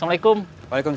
enggak tuh tukang